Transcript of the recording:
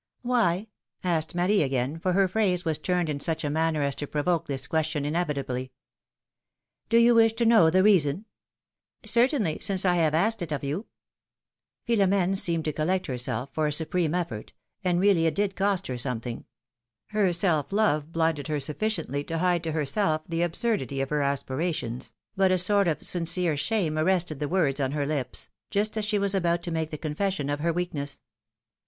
^^ ^^AVhy?^^ asked Marie again, for her phrase was turned in such a manner as to provoke this question inevitably. Do you wish to know the reason ? Certainly, since I have asked it of you ! Philomene seemed to collect herself for a supreme elfort, and really it did cost her something; her self love blinded her sufficiently to hide to herself the absurdity of her aspi rations, but a sort of sincere shame arrested the words on her lips, just as she was about to make the confession of lier weakness.